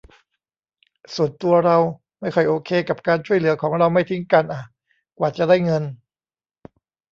ส่วนตัวเราไม่ค่อยโอเคกับการช่วยเหลือของเราไม่ทิ้งกันอ่ะ กว่าจะได้เงิน